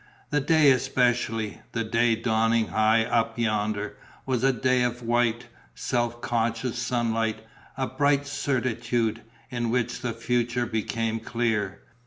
The day especially, the day dawning high up yonder, was a day of white, self conscious sunlight: a bright certitude, in which the future became clear.